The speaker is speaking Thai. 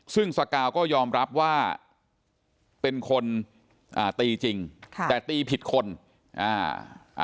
ซึ่งสกาวก็ยอมรับว่าเป็นคนอ่าตีจริงค่ะแต่ตีผิดคนอ่า